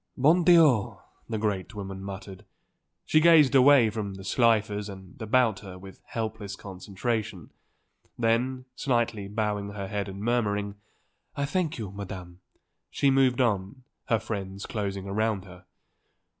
"Bon Dieu!" the great woman muttered. She gazed away from the Slifers and about her with helpless consternation. Then, slightly bowing her head and murmuring: "I thank you, Madam," she moved on, her friends closing round her.